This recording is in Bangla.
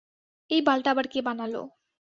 এই বালটা আবার কে বানালো।